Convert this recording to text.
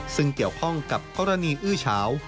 ซึ่งเกี่ยวข้องกับกรณีอื้อเฉา